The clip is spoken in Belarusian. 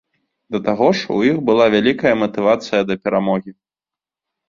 Да таго ж, у іх была вялікая матывацыя да перамогі.